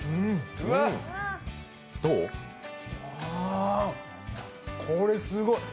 あ、これすごい。